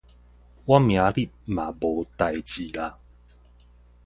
我明仔日嘛無代誌啦